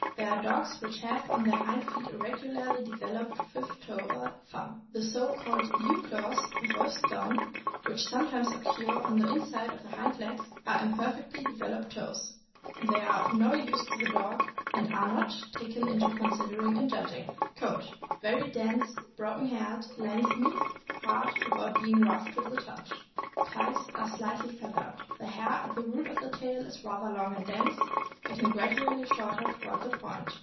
There are dogs which have on their hind feet a regularly developed fifth toe or thumb. The so called dew claws (wolf sklauen), which sometimes occur on the inside of the hind legs, are imperfectly developed toes; they are of no use to the dog, and are not taken into consideration in judging. Coat. — Very dense, broken haired, lying smooth; hard, without being rough to the touch. Thighs are slightly feathered. The hair at the root of the tail is rather long and dense, getting gradually shorter toward the point.